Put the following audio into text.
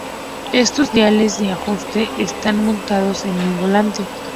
Estos diales de ajuste están montados en el volante.